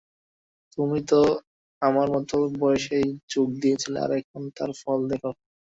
তুমি তো আমার মতো বয়সেই যোগ দিয়েছিলে, আর এখন তার ফল দেখো।